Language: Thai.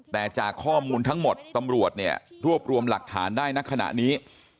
แต่จากข้อมูลทั้งหมดตำรวจเนี่ยรวบรวมหลักฐานได้ณขณะนี้